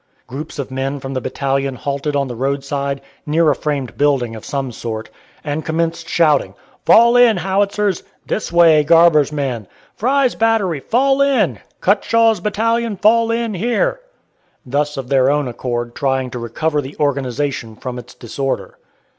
Groups of men from the battalion halted on the roadside, near a framed building of some sort, and commenced shouting, "Fall in, Howitzers!" "This way, Garber's men!" "Fry's battery!" "Fall in!" "Cutshaw's battalion, fall in here!" thus of their own accord trying to recover the organization from its disorder.